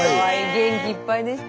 元気いっぱいでした。